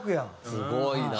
すごいな。